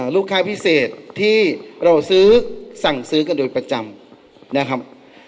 ลูกค้าพิเศษที่เราซื้อสั่งซื้อกันโดยประจำนะครับ